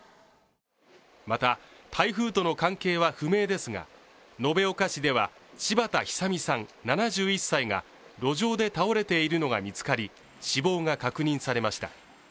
また、台風との関係は不明ですが、延岡市では柴田壽美さん７１歳が路上で倒れているのが見つかり死亡が確認されました。